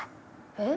えっ？